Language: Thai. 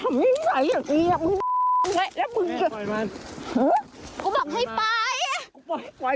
หื้อกูบอกให้ไปก่อนมึงทำไมไม่ใส่อย่างนี้